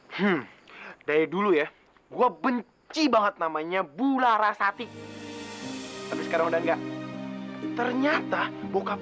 hmm hmm dari dulu ya gua benci banget namanya bulara sati sekarang udah enggak ternyata bokap